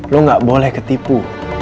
lo gak boleh ketipu